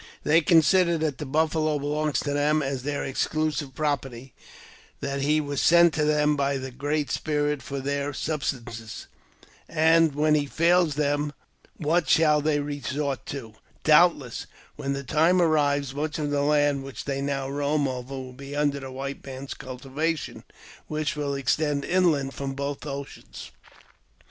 They consider that the buffalo belongs to them as their exclusive property; that he was sent to them by the Great Spirit for their subsistence; and when he fails them, I H. AUTOBIOGRAPHY OF JAMES P. BECKWOUBTH. 289 at shall they resort to ? Doubtless, when that tmie arrives, much of the land which they now roam over will be under the white man's cultivation, which will extend inland from both oceans.